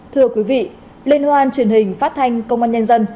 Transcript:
thưa quý vị liên hoan truyền hình phát thanh công an nhân dân